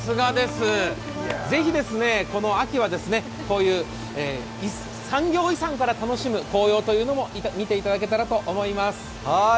ぜひこの秋は産業遺産から楽しむ紅葉というのも見ていただけたらと思います。